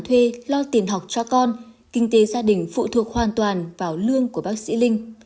anh duy đành thuê lo tiền học cho con kinh tế gia đình phụ thuộc hoàn toàn vào lương của bác sĩ linh